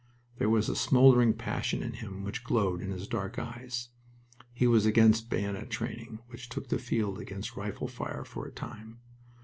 There was a smoldering passion in him which glowed in his dark eyes. He was against bayonet training, which took the field against rifle fire for a time.